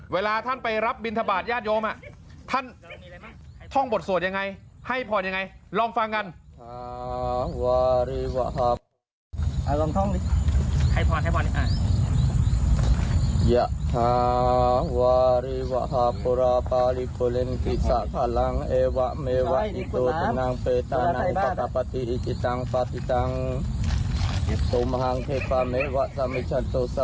เวลาท่านไปรับบินทบาทญาติโยมท่านท่องบทสวดยังไงให้พรยังไงลองฟังกัน